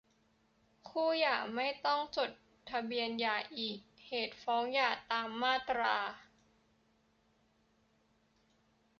คู่หย่าไม่ต้องจดทะเบียนหย่าอีก เหตุฟ้องหย่า ตามมาตรา